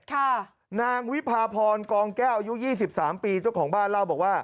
นางวิพาพรกองแก้วอายุยี่สิบสามปีเจ้าของบ้านเล่าบอกว่า